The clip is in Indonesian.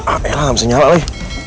ah ya lah gak bisa nyala lagi